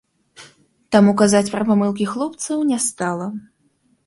Таму казаць пра памылкі хлопцаў не стала.